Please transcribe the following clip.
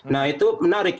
nah itu menarik